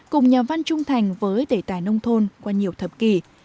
cùng nhà văn trung thành với đề tài nông thôn qua nhiều thập kỷ